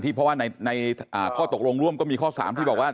เพราะว่าในข้อตกลงร่วมก็มีข้อ๓ที่บอกว่า